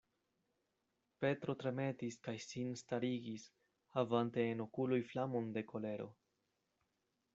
Petro tremetis kaj sin starigis, havante en okuloj flamon de kolero.